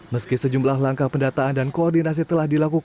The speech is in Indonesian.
meski sejumlah langkah pendataan dan koordinasi telah dilakukan